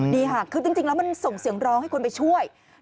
นี่ค่ะคือจริงแล้วมันส่งเสียงร้องให้คนไปช่วย